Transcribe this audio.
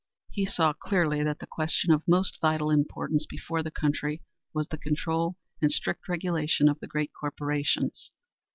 He saw clearly that the question of most vital importance before the country was the control and strict regulation of the great corporations.